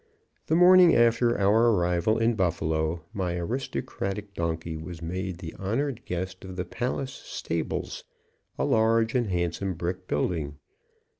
The morning after our arrival in Buffalo, my aristocratic donkey was made the honored guest of the Palace Stables, a large and handsome brick building.